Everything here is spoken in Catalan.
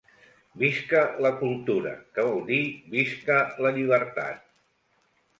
Visca la cultura, que vol dir visca la llibertat!